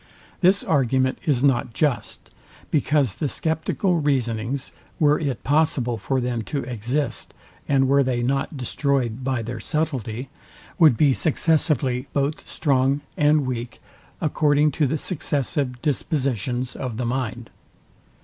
This argument is not just; because the sceptical reasonings, were it possible for them to exist, and were they not destroyed by their subtility, would be successively both strong and weak, according to the successive dispositions of the mind.